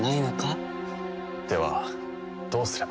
ではどうすれば？